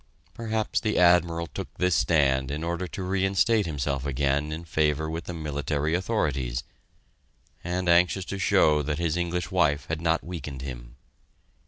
Perhaps the Admiral took this stand in order to reinstate himself again in favor with the military authorities, and anxious to show that his English wife had not weakened him.